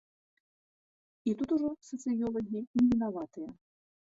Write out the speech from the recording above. І тут ужо сацыёлагі не вінаватыя.